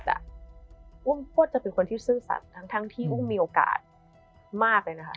อุ้มก็จะเป็นคนที่ซื่อสัตว์ทั้งที่อุ้มมีโอกาสมากเลยนะคะ